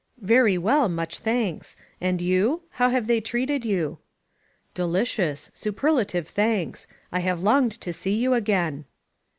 "Very well, much thanks. And you? How have they treated you?*' "Delicious. Superlative thanks. I have longed to see you again."